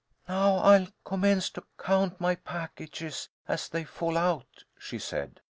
"Now, I'll commence to count my packages as they fall out," she said.